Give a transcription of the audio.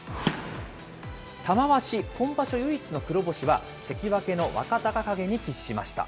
玉鷲、今場所唯一の黒星は、関脇の若隆景に喫しました。